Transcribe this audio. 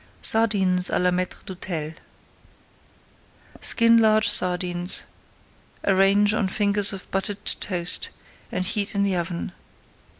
SARDINES À LA MAÎTRE D'HÔTEL Skin large sardines, arrange on fingers of buttered toast, and heat in the oven.